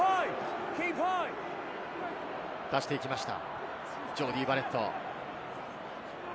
出していきました。